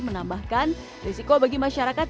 menambahkan risiko bagi masyarakat